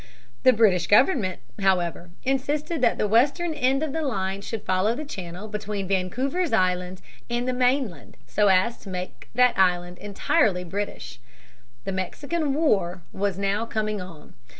The British government, however, insisted that the western end of the line should follow the channel between Vancouver's Island and the mainland so as to make that island entirely British. The Mexican War was now coming on.